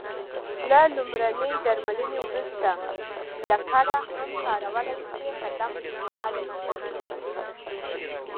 له لمرینې درملنې وروسته لکړه هم کارولای شې، قدم وهلای شې.